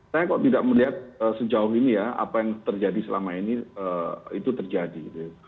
saya kok tidak melihat sejauh ini ya apa yang terjadi selama ini itu terjadi gitu ya